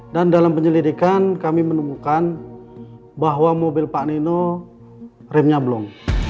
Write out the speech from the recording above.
dan dalam penyelidikan kami menemukan bahwa mobil pak nino remnya belum